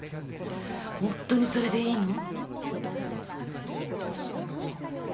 ホントにそれでいいの？